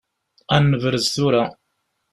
Ad nebrez tura.